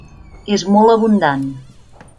És molt abundant.